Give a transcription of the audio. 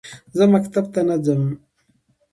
زه مکتب ته نه ځم